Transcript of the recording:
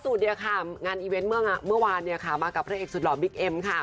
เนี่ยค่ะงานอีเวนต์เมื่อวานเนี่ยค่ะมากับพระเอกสุดหล่อบิ๊กเอ็มค่ะ